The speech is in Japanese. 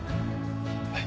はい。